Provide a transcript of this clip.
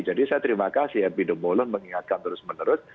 jadi saya terima kasih ya bidu molon mengingatkan terus menerus